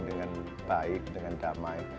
dengan baik dengan damai